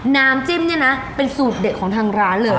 น้ำจิ้มเนี่ยนะเป็นสูตรเด็ดของทางร้านเลย